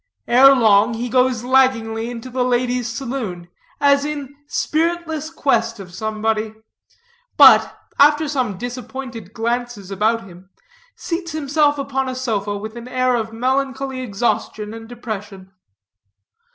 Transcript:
Ere long he goes laggingly into the ladies' saloon, as in spiritless quest of somebody; but, after some disappointed glances about him, seats himself upon a sofa with an air of melancholy exhaustion and depression.